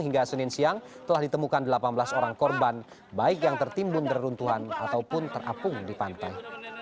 hingga senin siang telah ditemukan delapan belas orang korban baik yang tertimbun neruntuhan ataupun terapung di pantai